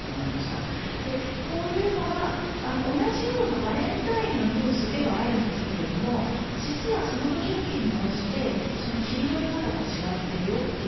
でこういうのが同じようなバレンタインのニュースではあるんですけれども実はその時々に応じてその切り取り方が違ってるよっていう話です。